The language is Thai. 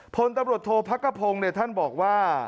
พลตำรวจโทษพักกระพงศ์ท่านบอกว่า